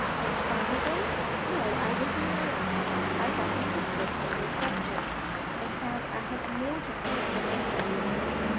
'Make fun of them? No, I was in earnest. I got interested in their subjects, and found I had more to say than I thought.'